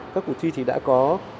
các cuộc thi thì đã có